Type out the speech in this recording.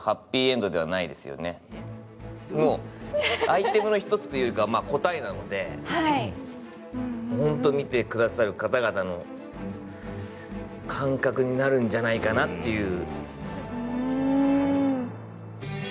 アイテムの一つというよりかは答えなので、ホント、見てくださる方々の感覚になるんじゃないかなっていう。